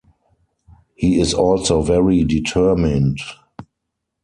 He is also very determined.